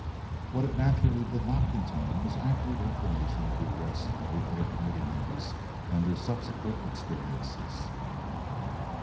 What it naturally did not contain was accurate information of the arrest of the other Committee members and their subsequent experiences.